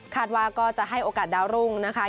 ว่าก็จะให้โอกาสดาวรุ่งนะคะ